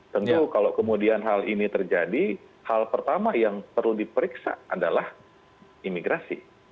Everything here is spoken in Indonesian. tentu kalau kemudian hal ini terjadi hal pertama yang perlu diperiksa adalah imigrasi